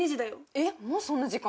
えっもうそんな時間？